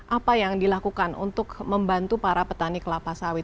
apa yang dilakukan untuk membantu para petani kelapa sawit